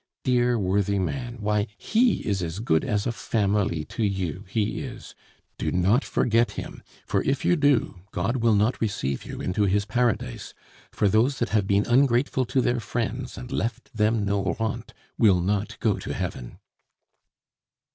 Dear worthy man, why he is as good as a family to you, he is! Do not forget him; for if you do, God will not receive you into his Paradise, for those that have been ungrateful to their friends and left them no rentes will not go to heaven."